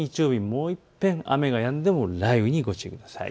もういっぺん雨がやんでも雷雨にご注意ください。